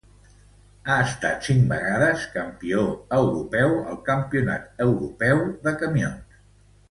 Ha estat cinc vegades campió europeu al Campionat Europeu de Camions.